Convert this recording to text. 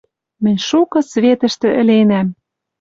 «Мӹнь шукы светӹштӹ ӹленӓм.